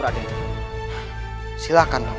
waktu yang paling pandang